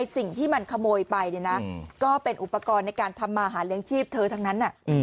สิ่งที่มันขโมยไปก็เป็นอุปกรณ์ในการทำมาหาเลี้ยงชีพเธอทั้งนั้น